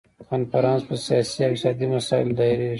کنفرانس په سیاسي او اقتصادي مسایلو دایریږي.